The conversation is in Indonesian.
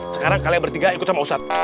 sekarang kalian bertiga ikut sama ustadz